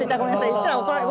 言ったら怒られる。